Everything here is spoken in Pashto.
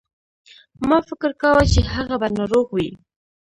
ما فکر کاوه چې هغه به ناروغ وي.